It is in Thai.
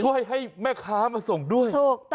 ให้แม่ค้ามาส่งด้วย